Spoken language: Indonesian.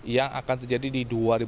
yang akan terjadi di dua ribu delapan belas